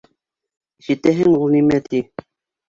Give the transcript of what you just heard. Ишетәһеңме ул нимә, ти.